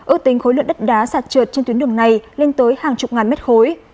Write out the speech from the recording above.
ước tính khối lượng đất đá sạt trượt trên tuyến đường này lên tới hàng chục ngàn mét khối